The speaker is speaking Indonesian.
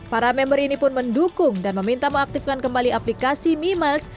para member ini pun mendukung dan meminta mengaktifkan kembali aplikasi memiles